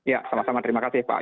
ya sama sama terima kasih pak